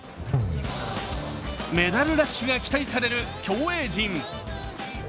メダルラッシュが期待される競泳陣。